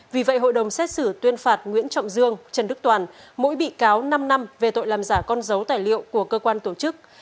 vì vậy hội đồng xét xử tuyên phạt nguyễn trọng dương trần đức toàn mỗi bị cáo năm năm về tội làm giả con dấu tài liệu của cơ quan tổ chức